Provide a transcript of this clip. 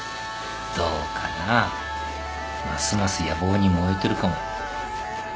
どうかなますます野望に燃えてるかも。